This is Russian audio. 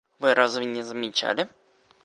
Вы разве не замечали?